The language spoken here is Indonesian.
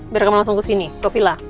biar kamu langsung ke sini ke villa